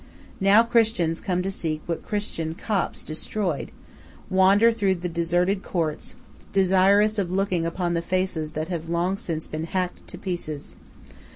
Now Christians come to seek what Christian Copts destroyed; wander through the deserted courts, desirous of looking upon the faces that have long since been hacked to pieces.